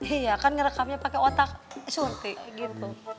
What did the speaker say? iya kan ngerekamnya pake otak surti gitu